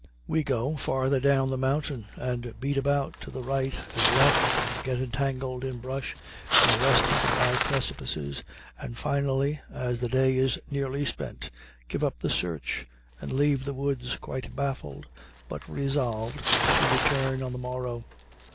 We go farther down the mountain and beat about to the right and left, and get entangled in brush and arrested by precipices, and finally, as the day is nearly spent, give up the search and leave the woods quite baffled, but resolved to return on the morrow.